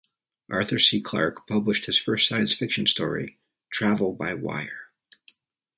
Arthur C. Clarke published his first science fiction story, Travel by Wire!